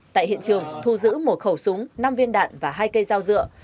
tại hiện trường thu giữ một khẩu súng năm viên đạn và hai cây dao dựa